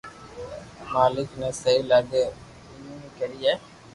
مالڪ ني سھي لاگي اوئي ڪرئي